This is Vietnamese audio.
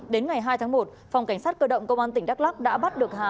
đến ngày hai tháng một phòng cảnh sát cơ động công an tỉnh đắk lắc đã bắt được hà